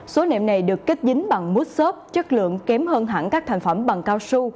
số nệm này được kết dính bằng mút xốp chất lượng kém hơn hẳn các thành phẩm bằng cao su